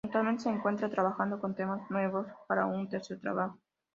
Actualmente se encuentran trabajando con temas nuevos para su tercer trabajo.